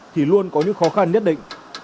thì luôn có những khó khăn nhất định